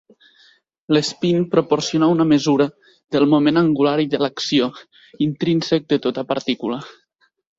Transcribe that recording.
L'espín proporciona una mesura del moment angular i de l'acció, intrínsec de tota partícula.